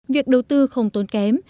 việc đầu tư không tốn kém